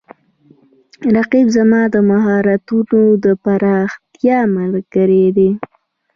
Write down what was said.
رقیب زما د مهارتونو د پراختیا ملګری دی